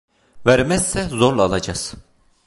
Vermezse zorla alacağız…